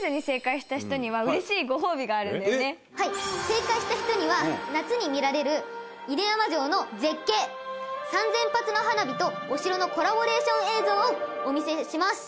正解した人には夏に見られる犬山城の絶景３０００発の花火とお城のコラボレーション映像をお見せします。